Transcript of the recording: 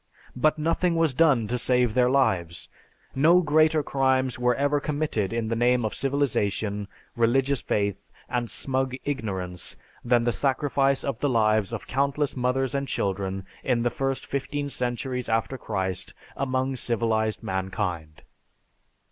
But nothing was done to save their lives. No greater crimes were ever committed in the name of civilization, religious faith, and smug ignorance than the sacrifice of the lives of countless mothers and children in the first fifteen centuries after Christ among civilized mankind.